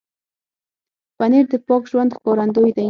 پنېر د پاک ژوند ښکارندوی دی.